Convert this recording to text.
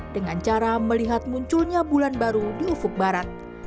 dengan cara melihat munculnya bulan baru di ufuk barat